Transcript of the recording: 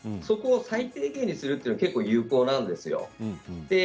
そこを最低限にするということは有効なんですね。